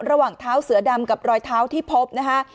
ระหว่างเท้าเสือดำกับรอยเท้าที่พบนะคะ